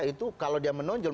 itu kalau dia menonjol